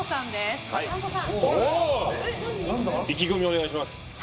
意気込みをお願いします。